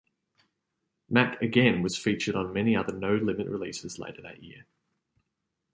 Mac again was featured on many other No Limit releases that year.